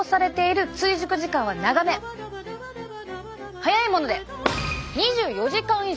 早いもので２４時間以上！